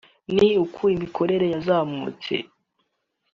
ni uko imikorere yazamutse